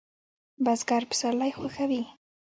بزګر پسرلی خوښوي